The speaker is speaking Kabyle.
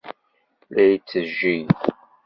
La yettejjey.